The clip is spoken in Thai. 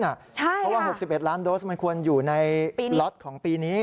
เพราะว่า๖๑ล้านโดสมันควรอยู่ในล็อตของปีนี้